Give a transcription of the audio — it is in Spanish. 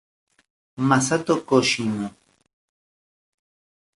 Masato Kojima